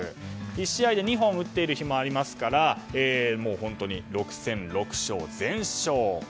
１試合で２本を打っている日もありますから本当に６戦６勝、全勝。